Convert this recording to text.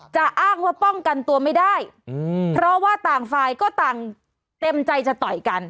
อ้างว่าป้องกันตัวไม่ได้เพราะว่าต่างฝ่ายก็ต่างเต็มใจจะต่อยกัน